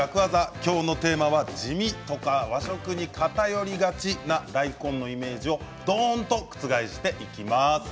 今日のテーマは地味とか和食に偏りがちな大根のイメージをドーンと覆していきます。